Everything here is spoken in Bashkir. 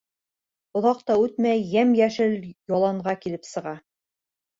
Оҙаҡ та үтмәй йәм-йәшел яланға килеп сыға.